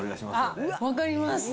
あっ、分かります。